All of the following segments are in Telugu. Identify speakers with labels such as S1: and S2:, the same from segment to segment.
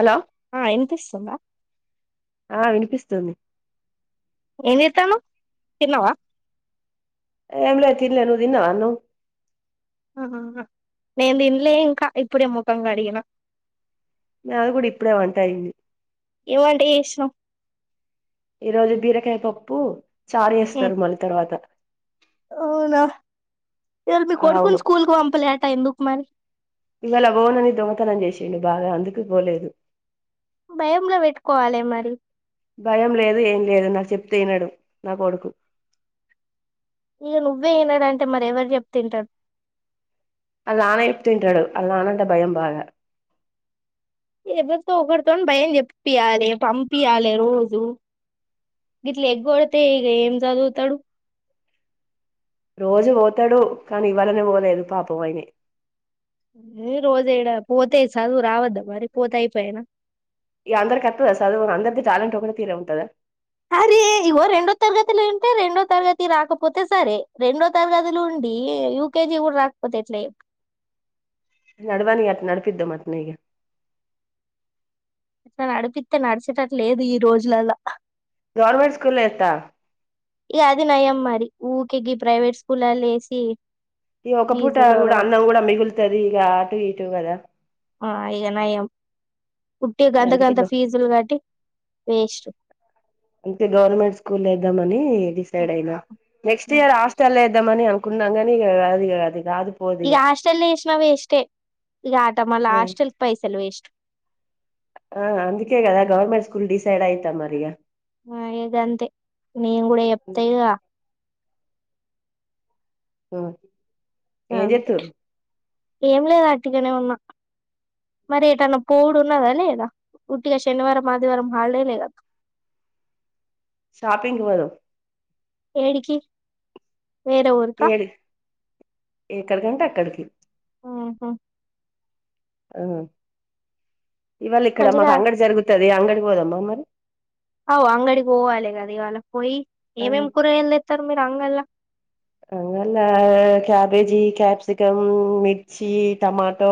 S1: హలో ఆ వినిపిస్తుందా?
S2: ఆ వినిపిస్తుంది.
S1: ఏం చేత్తాన్నవ్ తిన్నవా?
S2: ఏం లే తిన్లే నువ్వు తిన్నవా అన్నం
S1: ఆ నేన్ తిన్లే ఇంకా ఇప్పుడు ముఖం కడిగినా
S2: నాది కూడా ఇప్పుడే వంట అయింది.
S1: ఏ వంటే చేస్సున్నావ్?
S2: ఈ రోజు బీరకాయ పప్పు చారు
S1: ఉమ్
S2: చేేస్తారు మళ్ళీ తర్వాత
S1: అవునా ఈయాల్ మీ కొడుకున్
S2: అవును
S1: స్కూల్ కు పంపలేటా ఎందుకు మరి?
S2: ను బాగా అందుకు పోలేదు.
S1: భయంగా పెట్టుకోవాలె మరి
S2: భయం లేదు ఏం లేదు నాకు చెప్తే ఇనడు నా కొడుకు
S1: ఇక నువ్వే విన్నాడంటే మరి ఎవరు చెప్తే ఇంటర్.
S2: ఆల్ నాన అయితే తింటాడు ఆల్నానంటే భయం బాగా
S1: ఎవరితో ఒకరితోని భయం చెప్పియాలి పంపియాలి రోజు గిట్ల ఎగ్గడితే ఇగ ఏం చదువుతడు.
S2: రోజు పోతాడు కానీ ఇవాళనే పోలేదు పాపమయినే
S1: ఏ రోజ ఏడా పోతే చదువు రావద్దా మరి పోతె ఐపేనా?
S2: ఇక అందరి కత్తుద సదువు అందరిది ట్యాలెంట్ ఒకటే తీరే ఉంటదా?
S1: అరే ఇగో రెండో తరగతులు ఉంటే రెండో తరగతి రాకపోతే సరే రెండో తరగతిలు ఉండ్ ఈ యూకజీ కూడా రాకపోతే ఎట్ల చెప్
S2: నడవని అట్ నడపిద్దం అట్నే ఇగ
S1: అట్లా నడిపిస్తే నడిచేటట్ లేదు ఈ రోజులల్లా
S2: గవర్నమెంట్ స్కూల్లో ఏత్తా
S1: ఇక అది నయం మరి ఊకె గి ప్రైవేట్ స్కూలల్లో వేసి
S2: ఇగ ఒక పూట కూడా అన్నం గుడా మిగులుతది ఇగ అటు ఇటు కదా
S1: ఆ ఇగ నయం పుట్టి గంత
S2: అందుకే
S1: గంత
S2: గ
S1: ఫీజులు కట్టి వేస్ట్
S2: అంటే గవర్నమెంట్ స్కూల్ ఐ అని డిసైడ్ అయినా నెక్స్ట్ ఇయర్ హాస్టల్ ఏద్దామని అనుకున్నా గని ఇది
S1: ఇగ హాస్టలెసిన వేస్టే ఇగ అట మళ్ళ హాస్టెల్ పైసలు వేస్ట్
S2: ఆ అందుకేగదా గవర్మెంట్ స్కూల్ డిసైడ్ అయితా మరి ఇగ
S1: ఆ ఇగ గంతే నేను గుడా చెప్తాయిగ
S2: ఆ ఏం
S1: అంతే
S2: చెత్తురు
S1: ఏం లేదు వంటిగనే ఉన్నా మరి ఏటన్నా పోవుడు ఉన్నదా లేదా ఉట్టిగ శనివారం ఆదివారం హాలిడేనే గ
S2: షాపింగ్కి పోయినం
S1: ఏడికి వేరే ఊరుకా
S2: ఏడి ఎక్కడికంటే అక్కడికి
S1: హ్మ్ హు
S2: అవునా ఇవాళ ఇక్కడ
S1: మంచిగా
S2: మాకు అంగడి జరుగుతది అంగడి పోదమా మరి
S1: అవు అంగడికి పోవాలి కదా ఇవాళ పోయి
S2: ఆ
S1: ఏమేమి కూరగాయలు తేత్తరు మీరు అంగడ్లా
S2: అంగడ్లా క్యాబేజీ, కప్సీకము, మిర్చి, టొమాటో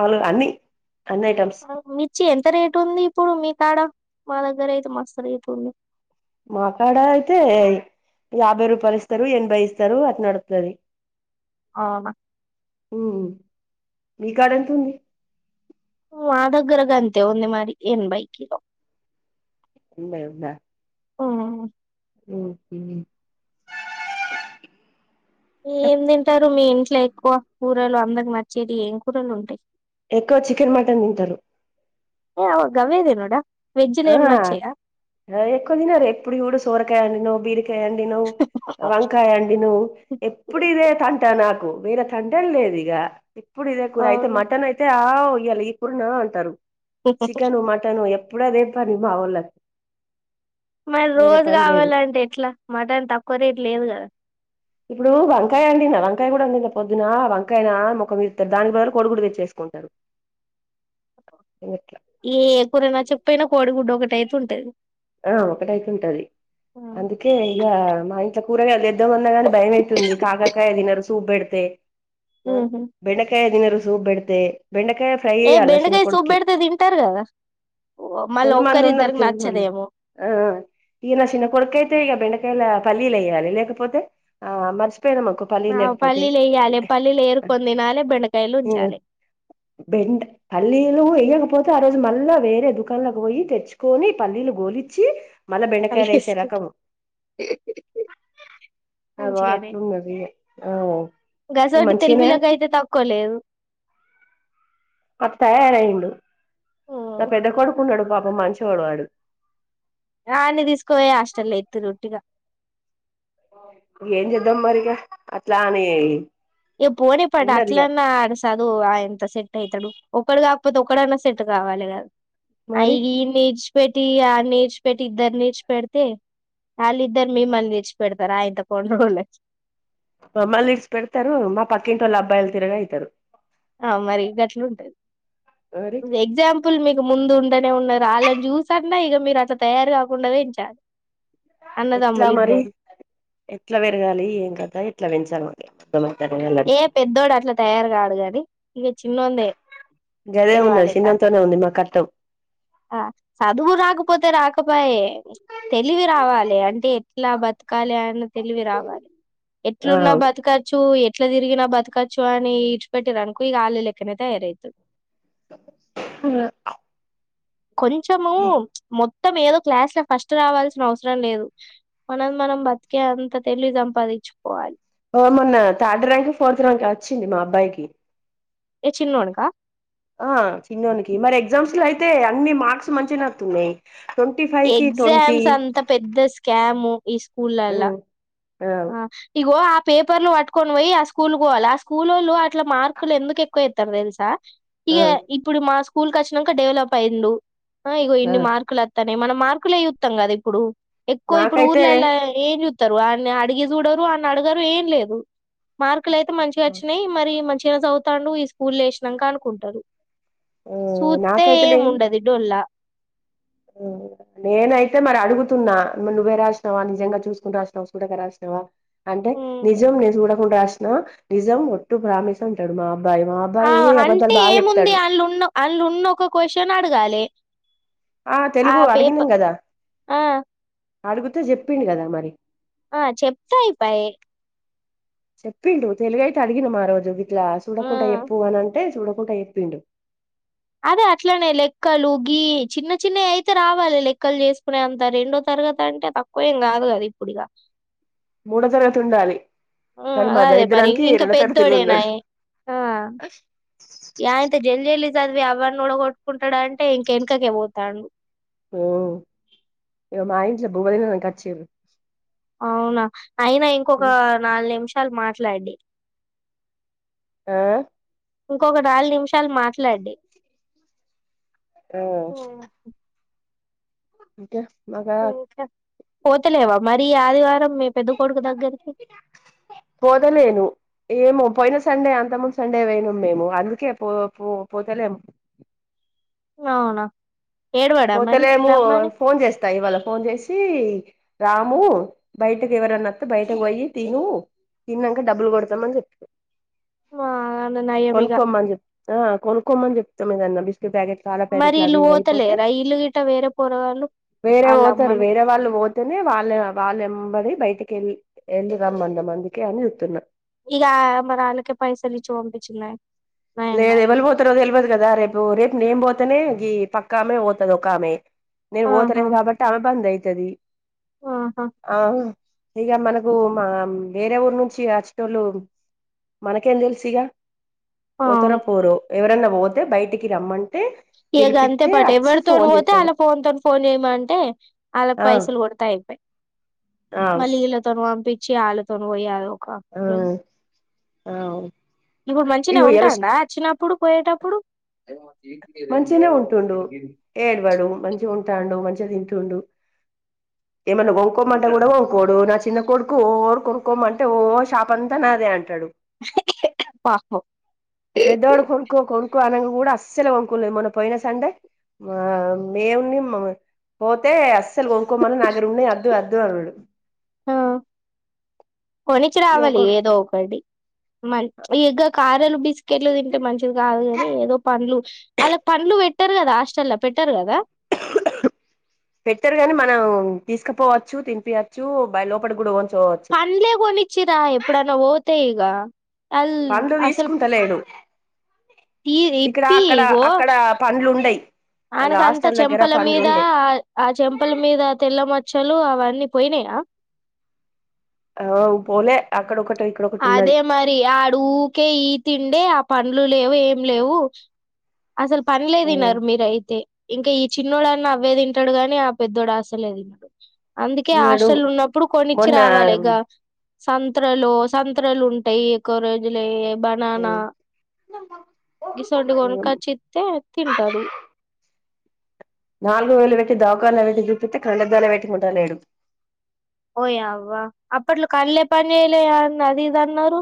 S2: అల్ అన్ని అన్ని ఐటమ్స్
S1: మిర్చి ఎంత రేటు ఉంది ఇప్పుడు మీ కాడ మా దగ్గర అయితే మస్త్ రేట్లు ఉన్నయి.
S2: మా కాడ అయితే యాభై రూపాలు ఇస్తారు ఎనభై ఇత్తరు అట్ నడ్తది
S1: అవునా
S2: ఉహు మీ కాడ ఏతుంది
S1: మా దగ్గర గంతే ఉంది మరి ఏన్బై కిలో
S2: కూలర్ ఉందా
S1: ఓమైంది
S2: ఒకే
S1: ఏం తింటారు మీ ఇంట్లే ఎక్కువ కూరలు అందరి నచ్చెటి ఏం కూరలు ఉంటయి
S2: ఎక్కువ చికెన్ మటన్ తింటరు.
S1: ఏ అవ్ గవెతినుడా
S2: ఆ ఎక్కువ తినరు ఎప్పుడు చూడు సోరకాయ వండినవ్ బీరకాయ్ వంకాయ అండినవ్ వంకాయ అండినవ్ ఎప్పుడు ఇదే తంట నాకు వేరే తంటెల్ లేదు ఇగ ఇప్పుడు ఇదే కూర అయితే
S1: అవునా
S2: మటన్ అయితే ఆవ్ ఇయ్యాల ఈ కూరన అంటరు. చికెను మటను ఎప్పుడు అదే పని మా వోళ్ళ
S1: మరి రోజు కావాలంటే ఎట్లా మటన్ తక్కువ రేట్ లేదు కదా
S2: ఇప్పుడు వంకాయ వండినా వంకాయ కూడా వండిన పొద్దున వంకాయ మొఖం ఇర్తర్ దానికి బదులు కోడిగుడ్డు తెచ్చెసిన ఉంటరు [unintelligible]
S1: ఏ కూర నచ్చకపోయినా కోడిగుడ్డు ఒకటి ఐతే ఉంటది.
S2: ఆ ఒకటైతె ఉంటది అందుకే ఇగ మా ఇంట్ల కూరగాయలు చేద్దాం అన్నా గాని భయమయితుంది కాకరకాయ తినరు సూప్ పెడితే ఆ
S1: ఉహు
S2: బెండకాయ తినరు సూప్ బెడితే బెండకాయ ఫ్రైయే
S1: ఏ
S2: చెయ్యాల నా చిన్న
S1: బెండకాయ సూప్
S2: కొడుక్కి
S1: పెడితే తింటారు కదా ఓ, మళ్ళీ
S2: కొంతమంది ఉన్నరు
S1: ఒక్కరిద్దరికి
S2: తినేటోళ్ళు
S1: నచ్చదేమో
S2: ఆ ఆ ఇగ నా చిన్న కొడుకైతే ఇగ బెండ కాయల పల్లీలెయ్యాలి లేకపోతే ఆ మర్
S1: ఆ పల్లీలు ఏయాలి పల్లీలు ఎరుకొని తినాలి బెండకాయలు ఉంచాలి.
S2: బెండ పల్లీలు ఏయ్యను పోతే ఆ రోజు మళ్ళా వేరే దుకాళ్ళకు పోయి తెచ్చుకొని పల్లీలు గోలిచ్చి మల్లా బెండకాయలేసే
S1: కలిపేసుకొని
S2: రకము అగో
S1: మంచిగానే
S2: ఆట్లున్నది అ
S1: గసోటి
S2: మంచిగానే
S1: తెలివిలకు అయితే తక్కువ లేదు
S2: అటా తయారయ్యిండు
S1: ఉమ్.
S2: నా పెద్ద కొడుకు ఉన్నాడు పాపం మంచివొడు వాడు
S1: వాన్ని తీసుకోపొయి హాస్టల్ల ఎత్తిరి ఉట్టిగ
S2: ఏం చేద్దాం మరి ఇగా అట్లా అనే
S1: ఇగ పోనియ్ పట్టు అట్లన్నా ఆడు చదువు అయింత సెట్ అయితడు ఒకడుగాక పోతే ఒకడన్నా సెట్ కావాలి కదా ఐ
S2: మరి
S1: ఈ మేజ్ వాన్ని ఇడ్చి పెట్టి విన్ని ఇడ్చి పెట్టి ఇద్దర్ని ఇడ్చి పెడితే వాళ్ళింద్దరినీ మిమ్మల్ని ఇడ్చి పెడతారా ఆ ఇంత కొన్ని రోజులకి
S2: మమ్మల్ని ఇడిచి పెడతారు మా పక్కింటి వొళ్ళ అబ్బాయిలు తీరుగా అయితరు
S1: ఆ మరి గట్ల ఉంటది
S2: మరి
S1: ఎగ్జాంపుల్ చెప్పుల్లి మీకు ముందు ఉండనే ఉన్నారు వాళ్ళని చూసన్నా ఇక మీరు అట్లా తయారు కాకుండా పెంచాలి
S2: ఎట్లా
S1: అన్నదమ్ములు
S2: మరి
S1: ఇద్దరు
S2: ఎట్ల పెరగాలి ఏం కథ ఎట్లా పెంచాలి మరి అర్థమైతలేదు
S1: ఏ పెద్దోడు అట్లా తయారు కాడు కానీ ఇగ చిన్నోడే
S2: గదే ఉన్నది చిన్నోని తోనే ఉంది మా కట్టం
S1: ఆ చదువు రాకపోతే రాకపాయె తెలివి రావాలి అది అంటే ఎట్లా బతకాలి అన్న తెలివి రావాలి ఎట్లున్నా
S2: ఆ
S1: బతకచ్చు ఎట్ల తిరిగిన బతకచ్చు అని ఇడ్చిపెట్టిరనుకో ఇగ ఆళ్ల లెక్కనే తయారైతది
S2: ఆ అప్
S1: కొంచము మొత్తం ఏదో క్లాస్ లో ఫస్ట్ రావాల్సిన అవసరం లేదు మనది మనం బతికే అంత తెలివి సంపాదించుకోవాలి
S2: ఓ మొన్న థార్డ్ ర్యాంకో ఫోర్త్ ర్యాంకో వచ్చింది మా అబ్బాయికి
S1: ఏ చిన్నోనికా
S2: ఆ చిన్నోనికి మరి ఎగ్జామ్స్ లో అయితే అన్ని మార్క్స్ మంచిగనే ఒత్తున్నయి
S1: ఎగ్జామ్స్ అంత పెద్ద స్కాము ఈ
S2: ఆ
S1: స్కూళ్లల్ల
S2: ఆ
S1: అ ఇగో పేపర్లు పట్టుకొని పోయి ఆ స్కూల్ పోవాల ఆ స్కూలోళ్ళు అట్ల మార్కులు ఎందుకు ఎక్కువేత్తరు తెలుసా ఇగ
S2: ఆ
S1: ఇప్పుడు మా స్కూల్ కచ్చినంక డెవలప్ అయిళ్ళు ఆ ఇగో ఇన్ని మార్కుల మనం మార్కులే చూత్తం కద ఇప్పుడు ఎక్కువ ఇప్పుడు
S2: నాకైతే
S1: ఊర్లల్ల ఏం త్తరు వాన్ని అడిగి చూడరు ఆన్నడగరు ఏం లేదు మార్కులు అయితే మంచిగ
S2: ఆ
S1: అచ్చినై మరి మంచి గనే చవుతాండు ఈ స్కూల్లేషినంక అనుకుంటారు చూత్తే
S2: నాకైతే
S1: ఏం ఉండదు డొల్ల
S2: నేనయితే మరి అడుగుతున్నా మరి నువ్వే రాసినవా నిజంగా చూసుకుంట రాసినావా చుడక రాసినవా అంటే
S1: మ్
S2: నిజం నేను చూడకుండ రాసిన నిజం ఒట్టు ప్రామిస్ అంటడు మా అబ్బాయ్
S1: ఆ అంటే ఏముంది అందులున్నా ఒక క్వశ్చన్ అడగాలే
S2: ఆ తెలుగు అడిగినం గదా
S1: ఆ
S2: అడుగుతే జెప్పిండు కదా మరి
S1: ఆ చెప్తే అయిపాయే
S2: చెప్పిండు తెలుగ అయితే అడిగిన మా రోజు ఇట్లా
S1: ఆ
S2: చుడకుంట చెప్పు అని అంటే చుడకుండ చెప్పిండు
S1: అదే అట్లనే లెక్కలు గీ చిన్న చిన్నయయితే రావాలి లెక్కలు చేసుకునే అంత రెండో తర గతి అంటే తక్కువ ఏం గాదు కదా ఇప్పుడిగ
S2: మూడో తరగతిల ఉండాలి
S1: ఆ
S2: కాని మా
S1: అదే మరి
S2: దారిద్రానికి
S1: ఇంకా
S2: రెండో తరతిలున్నడు
S1: పెద్దోడేనాయే ఆ ఈ ఆయనతో జల్ది జల్ది చదివి అవ్వన్ని ఓడగొట్టుకుంటడంటే ఇంకెనకకే పోతాండు
S2: మ్మ్ ఇగ మా ఇంట్ల బువ్వ దిననికి వచ్చిర్రు
S1: అవునా అయినా ఇంకొక నాలుగు నిమిషాలు మాట్లాడి
S2: ఆ
S1: ఇంకొక నాలుగు నిమిషాలు మాట్లాడీ
S2: ఆ మీకే మాగా
S1: ఇంకా పోతలేవా మరి ఈ ఆదివారం. మీ పెద్ద కొడుకు దగ్గరికి
S2: పోతలేను ఏమో పోయిన సండే, అంతముందు సండే, వోయినం మేము అందుకే పో పో పోతలేం.
S1: గావునా
S2: పోతలేమూ ఫోన్ చేస్తా. ఇవాళ ఫోన్ చేసీ. రాము బయటీకి ఎవరనొత్తే బయటకి పోయి తిను. తిన్నాంక డబ్బులు కొడతమన్ చెప్పిన్
S1: వాల్ నాయమిగా
S2: చెప్ ఆ కొనుక్కోమని చెప్తం ఏదన్న. బిస్కెట్ ప్యాకెట్, కార ప్యాకెట్లు, అవి ఇవి అయిపోతే.
S1: ఇల్లు గిట్ట వేరే పోరో
S2: వేరే ఓతరు, వేరే వాళ్ళు పోతేనే వాళ్ళ వాళ్లేంబడి బయ్ టికెళ్ళి వెళ్ళి రమ్మందం అందుకే అని ఎప్తున్నా.
S1: ఈగా మరాళ్ళకే పైసలిచ్చి పంపించిల్లె
S2: లేదు ఎవలు పోతరో తెల్వదు గాదా. రేపు రేప్ నేన్ పోత్ తనే గీ పక్క ఆమె పోతది. ఒక ఆమె, నేను
S1: ఆహా
S2: పోతలేను గాబట్టమె బంద్ అయితది.
S1: ఆహా
S2: అవును ఇగ మనకు మా వేరే ఊరు నుంచి ఆచ్చిటోళ్ళు మనకేం తెల్సిగా. పోతారో,
S1: అవును
S2: పోరో ఎవరన్నా బోతే. బయటికి రమ్మం
S1: ఇగా గంతే పాట్ ఎవరితోన్ వోతే
S2: చేస్తాడు
S1: అల్ల ఫోన్తో ఫోన్ చేయమంటే. అలాక్
S2: ఆ
S1: పైసల్ కొడతే అయిపే.
S2: ఆ
S1: మళ్ళీ ఇళ్ళతోనూ పంపించి, ఆళ్ళతోన పోయదోక లొల్
S2: ఆ అవును
S1: ఇప్పుడు మంచినే ఉంటాడా. అచ్చినప్పుడు, పోయేటప్పుడు?
S2: మంచిగానే ఉంటుండు, ఏడవాడు, మంచిగా ఉంటాండు, మంచిగా తింటుండు. ఏమన్నా గొంకోమంటే గూడా గోంకోడు నాచి న్న కొడుకు, ఓర్ కొనుక్కోమంటే ఓ షాపంతా నాదే అంటాడు.
S1: పాపం
S2: పెదోడు కొన్కో కొన్కో అన్నగ్ స్సలే కొన్కోలే మొన్న పోయిన సండే. మా మేముని మా పోతే అస్సలు కొంకోమన్ నాగ్గర ఉన్నాయ్, అద్దు అద్దు అన్నాడు.
S1: ఆ కొనిచ్చి
S2: ఇగ
S1: రావాలి
S2: ఒక
S1: ఏదో ఒకటి. మాల్ ప్చ్ ఎగక్ కారలు, బిస్కెట్లు తింటే మంచిది కాదు కాని. ఏదో పండ్లు అలాక్ పండ్లు పెట్టారు కదా. హస్టల్ల్ల పెడ్ టార్ గదా.
S2: పెట్టారు గాని. మనం తీసుకుపోవచ్చు, తినిపియచ్చు, బయ్ లోపటికి గూడా వో
S1: పండ్లే కొనిచ్చరా. ఎప్పుడన్నా పోతే ఇగ అల్
S2: పండ్లు
S1: అసల్
S2: తీసుకుంటలేడు
S1: ఈ
S2: ఇక్కడ
S1: తెప్పి య్
S2: అక్కడ
S1: ఇగో
S2: అక్కడ పండ్లు ఉండయి వాళ్ళ
S1: ఆయనకంత
S2: హాస్టల్ దగ్గర
S1: చెంపల
S2: పండ్లు
S1: మీద,
S2: ఉండయి
S1: ఆ ఆ చంపల మీద తెల్ల మచ్ క్షలో అవన్నీ పోయినాయా.
S2: ఆ పోలే ఆక్
S1: అదే మరి ఆడ ఊకే ఈ తిండే, ఆ పండ్లు లేవు ఏం లేవు. అసలు పన్లే తీన్నారు మీరయితే. ఇంకా ఈ చిన్నోడు అన్నా అవ్వే తింటాడు గాని, ఆ పెద్దోడు అసలే తిన్నాడు. అందుకే
S2: చిన్నడు
S1: హాస్టల్ ఉన్నప్పుడు కొన్నిచ్చి
S2: మొన్న
S1: రావాలే గా. సంత్రలు సంత్రలు ఉంటాయి. ఎక్కువ రోజులెయ్ బనానా గిస్వంటిగోన్కోత్ తే తింటాడు
S2: నాలుగు వేలు పెట్టి, దావకాల్న పెట్టి చూపితే కండ్లాద్దలే పెట్టుకుంటా లేడు.
S1: ఓయావ్వా! అప్పట్లో కళ్ళే పన్జేయాలేవ్ అన్ అది ఇది అన్నారు?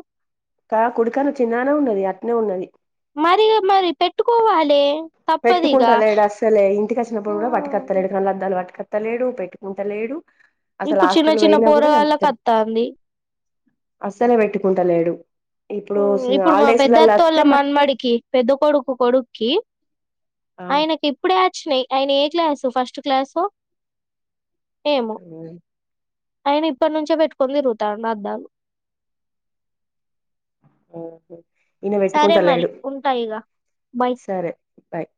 S2: కా కుడికన్ను చిన్ననే ఉన్నది. అట్నే ఉన్నది.
S1: మరిగా మరి పెట్టుకోవాలే తప్పదిగా
S2: పెట్టుకుంటాలేడు అస్సలే ఇంటికి కచ్చినప్పుడు
S1: ఆ
S2: కూడా పటుకత్తలేడు కళ్ళలద్దాలుట్టుకత్ త్తలేడు పెట్టుకుంటలేడు అసలు
S1: ఇప్పుడు చిన్న
S2: హస్టల్
S1: చిన్న
S2: పోయినా కూడా గంతే
S1: పోరగాళ్ళకి అత్తాంది
S2: అస్సలే పెట్టుకుంటలేడు ఇప్పుడు
S1: హుమ్ ఇప్పుడు మా
S2: హాలిడేస్లల్ల
S1: పెద్దతొళ్ళ
S2: వత్తే
S1: మన్మడికి పెద్ద కొడుకు కొడుక్కి
S2: మరి
S1: ఆయనకి ఇప్పుడే వచ్చినయ్ ఆయన ఏ క్లాసు ఫస్ట్ క్లాసో ఏమో
S2: అవు
S1: ఆయన ఇప్పటి నుంచే పెట్టుకొని తిరుగుతాండూ అద్దాలు
S2: అహ ఈయన
S1: సరే
S2: పెట్టుకుంట
S1: మరి
S2: లేడు
S1: ఉంటా ఇగ బాయ్.
S2: సరే బాయ్